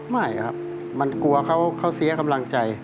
ไม่ครับมันกลัวเขาเสียกำลังใจ